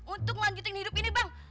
untuk melanjutkan hidup ini bang